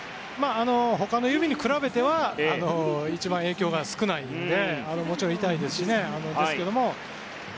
他の指に比べては一番影響が少ないのでもちろん痛いと思いますが。